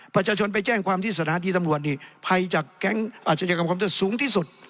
ประชาชนไปแจ้งความที่สถานีตำรวจนี่ภัยจากแก๊งอาชญากรรมความโทษสูงที่สุด